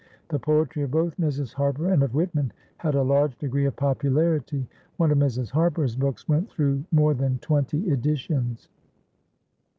The poetry of both Mrs. Harper and of Whitman had a large degree of popularity; one of Mrs. Harper's books went through more than twenty editions.